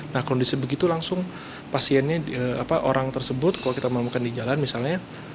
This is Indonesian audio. nah kondisi begitu langsung pasiennya orang tersebut kalau kita melakukan di jalan misalnya